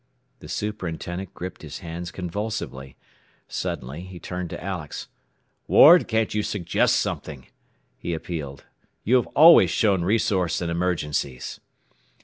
The superintendent gripped his hands convulsively. Suddenly he turned to Alex. "Ward, can't you suggest something?" he appealed. "You have always shown resource in emergencies."